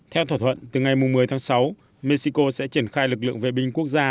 theo thỏa thuận từ ngày một mươi tháng sáu mexico sẽ triển khai lực lượng vệ binh quốc gia